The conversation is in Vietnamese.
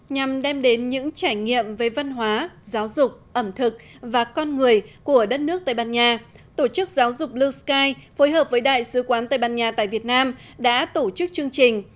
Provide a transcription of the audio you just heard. nhằm đem đến những trải nghiệm về văn hóa giáo dục ẩm thực và con người của đất nước tây ban nha tổ chức giáo dục louse phối hợp với đại sứ quán tây ban nha tại việt nam đã tổ chức chương trình